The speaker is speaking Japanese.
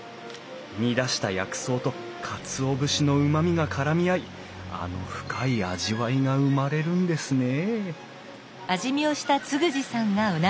煮出した薬草とカツオ節のうまみがからみ合いあの深い味わいが生まれるんですねえ